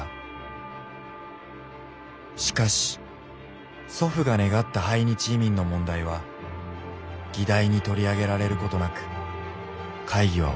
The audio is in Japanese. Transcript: しかし祖父が願った排日移民の問題は議題に取り上げられることなく会議は終わった。